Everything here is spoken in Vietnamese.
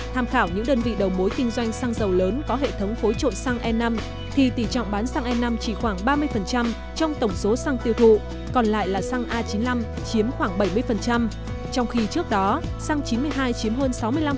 tham khảo những đơn vị đầu mối kinh doanh xăng dầu lớn có hệ thống phối trộn xăng e năm thì tỷ trọng bán xăng e năm chỉ khoảng ba mươi trong tổng số xăng tiêu thụ còn lại là xăng a chín mươi năm chiếm khoảng bảy mươi trong khi trước đó xăng chín mươi hai chiếm hơn sáu mươi năm